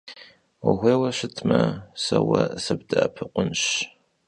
Vuxuêyue şıtre, se vue sıbde'epıkhunş?